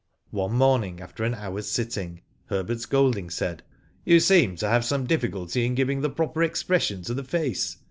One morning after an hour's sitting, Herbert Golding said; "You seem to have some difficulty in giving the proper expression to the face.